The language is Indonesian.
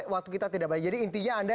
waktu kita tidak baik jadi intinya anda